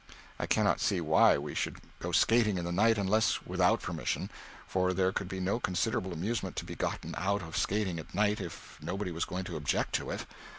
I cannot see why we should go skating in the night unless without permission, for there could be no considerable amusement to be gotten out of skating at night if nobody was going to object to it.